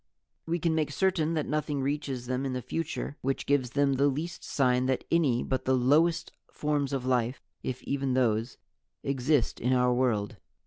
"We can make certain that nothing reaches them in the future which gives them the least sign that any but the lowest forms of life, if even those, exist in our world.